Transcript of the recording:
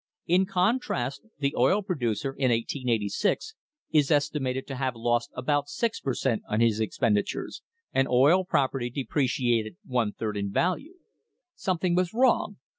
In contrast, the oil producer, in 1886, is estimated to have lost about six per cent, on his expenditures, and oil property depreciated one third in value.* Something was wrong.